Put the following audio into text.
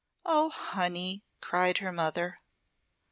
"Oh, honey!" cried her mother.